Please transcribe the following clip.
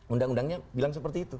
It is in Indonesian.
undang undangnya bilang seperti itu